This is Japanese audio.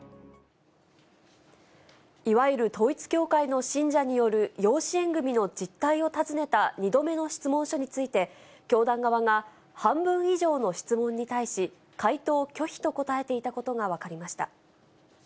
いわゆる統一教会の信者による養子縁組みの実態を尋ねた２度目の質問書について、教団側が半分以上の質問に対し、回答拒否と答えていたことが分かりました。